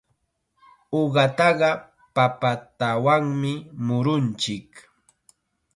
Uqataqa papatanawmi murunchik.